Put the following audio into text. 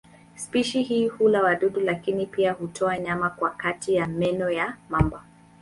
Spishi hii hula wadudu lakini pia hutoa nyama kwa kati ya meno ya mamba.